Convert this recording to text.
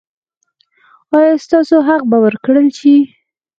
ایا ستاسو حق به ورکړل شي؟